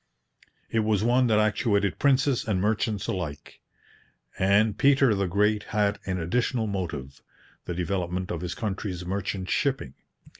It was one that actuated princes and merchants alike. And Peter the Great had an additional motive the development of his country's merchant shipping.